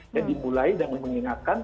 yang dimulai dengan mengingatkan